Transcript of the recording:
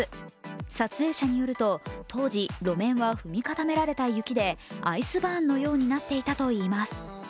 撮影者によると、当日、路面は踏み固められた雪でアイスバーンのようになっていたといいます。